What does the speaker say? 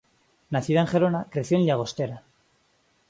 Nacida en Gerona, creció en Llagostera.